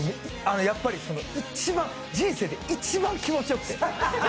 やっぱり人生で一番気持ちよくて。